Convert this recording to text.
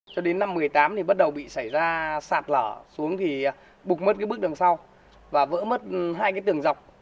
cho đến năm một mươi tám thì bắt đầu bị xảy ra sạt lở xuống thì bục mất cái bước đường sau và vỡ mất hai cái tường dọc